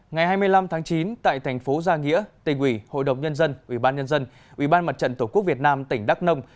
ngày hai mươi năm tháng chín tại thành phố gia nghĩa tây quỷ hội đồng nhân dân ubnd ubnd tổ quốc việt nam tỉnh đắk nông